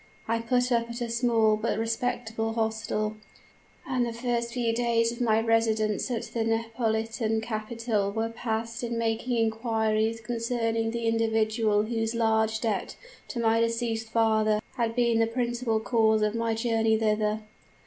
I put up at a small, but respectable hostel; and the first few days of my residence at the Neapolitan capital were passed in making inquiries concerning the individual whose large debt to my deceased father had been the principal cause of my journey thither.